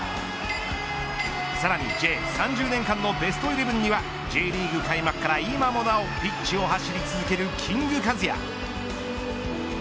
さらにＪ３０年間のベストイレブンにはＪリーグ開幕から今もなおピッチを走り続けるキングカズや。